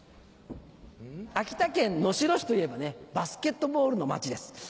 秋田県能代市といえばバスケットボールの町です。